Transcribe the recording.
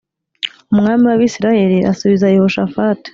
Umwami w’Abisirayeli asubiza Yehoshafati